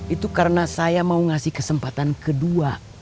itu karena saya mau ngasih kesempatan kedua